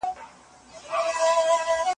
فيلسوفانو سياسي واک په خپل لاس کي ساتلی و.